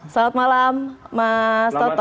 selamat malam mas toto